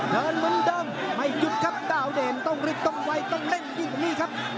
เหมือนเดิมไม่หยุดครับดาวเด่นต้องรีบต้องไวต้องเร่งยิ่งกว่านี้ครับ